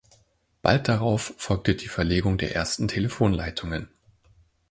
Bald darauf folgte die Verlegung der ersten Telefonleitungen.